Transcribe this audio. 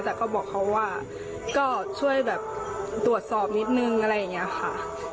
แต่ก็บอกเขาว่าก็ช่วยแบบตรวจสอบนิดนึงอะไรอย่างนี้ค่ะ